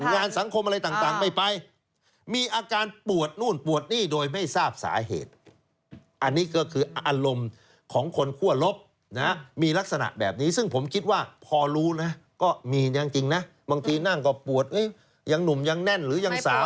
งานสังคมอะไรต่างไม่ไปมีอาการปวดนู่นปวดนี่โดยไม่ทราบสาเหตุอันนี้ก็คืออารมณ์ของคนคั่วลบนะมีลักษณะแบบนี้ซึ่งผมคิดว่าพอรู้นะก็มียังจริงนะบางทีนั่งก็ปวดยังหนุ่มยังแน่นหรือยังสาว